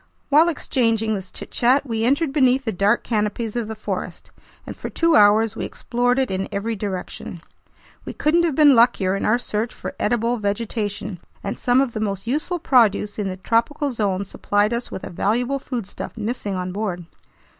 While exchanging this chitchat, we entered beneath the dark canopies of the forest, and for two hours we explored it in every direction. We couldn't have been luckier in our search for edible vegetation, and some of the most useful produce in the tropical zones supplied us with a valuable foodstuff missing on board.